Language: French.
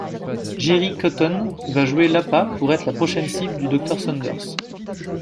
Jerry Cotton va jouer l'appât pour être la prochaine cible du Dr Saunders.